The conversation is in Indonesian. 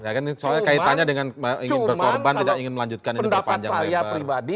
cuma kalau pendapat saya pribadi